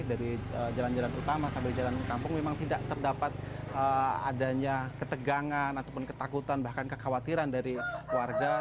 dari jalan jalan utama sampai jalan kampung memang tidak terdapat adanya ketegangan ataupun ketakutan bahkan kekhawatiran dari warga